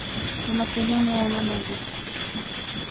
Вона поглянула на небо.